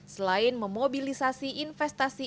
selain memobilisasi investasi